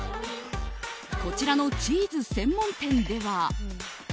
こちらのチーズ専門店では。